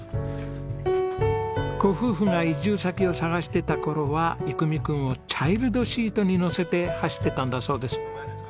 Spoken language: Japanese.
ご夫婦が移住先を探してた頃は郁海くんをチャイルドシートにのせて走ってたんだそうです。